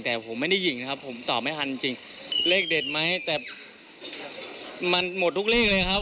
แต่ผมไม่ได้หญิงนะครับผมตอบไม่ทันจริงเลขเด็ดไหมแต่มันหมดทุกเลขเลยครับ